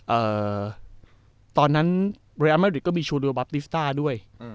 เอ่อตอนนั้นเรียมมาริดก็มีชูโดบับติสต้าด้วยอืม